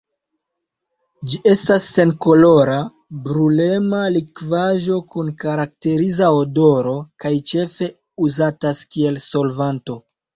Ĝi estas senkolora, brulema likvaĵo kun karakteriza odoro kaj ĉefe uzatas kiel solvanto.